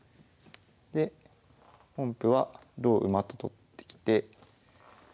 で本譜は同馬と取ってきて。